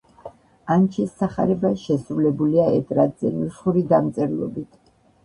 ანჩის სახარება შესრულებულია ეტრატზე, ნუსხური დამწერლობით.